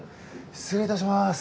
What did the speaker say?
失礼いたします。